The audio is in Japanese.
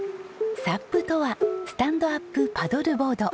サップとはスタンドアップパドルボード。